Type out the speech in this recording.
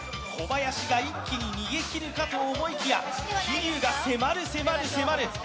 小林が一気に逃げ切るかと思いきや、桐生が迫る、迫る、迫る。